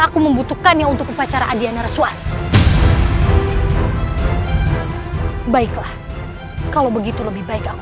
aku membutuhkannya untuk pupacara adhiana reswaan baiklah kalau begitu lebih baik aku